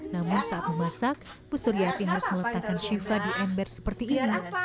namun saat memasak bu suryati harus meletakkan shiva di ember seperti ini